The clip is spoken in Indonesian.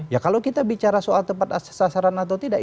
ya kalau kita bicara soal tepat sasaran atau tidak